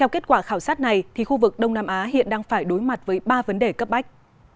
kết quả khảo sát này thì khu vực đông nam á hiện đang phải đối mặt với ba vấn đề cấp bách